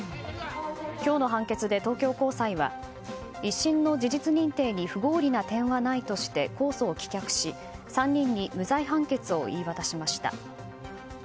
今日の判決で東京高裁は１審の事実認定に不合理な点はないとして公訴を棄却し３人に無罪判決を言い渡しました。